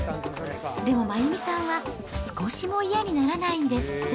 でも真弓さんは、少しも嫌にならないんですって。